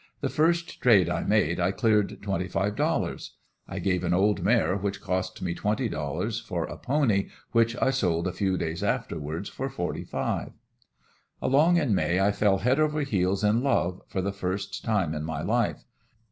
The first trade I made, I cleared twenty five dollars. I gave an old mare which cost me twenty dollars, for a pony which I sold a few days afterwards for forty five. Along in May I fell head over heels in love, for the first time in my life.